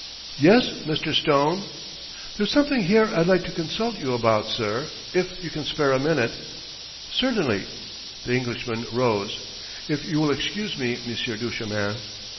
"Yes, Mr. Stone?" "There's something here I'd like to consult you about, sir, if you can spare a minute." "Certainly." The Englishman rose. "If you will excuse me, Monsieur Duchemin...."